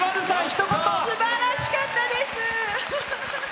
すばらしかったです！